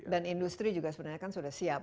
dan industri sebenarnya sudah siap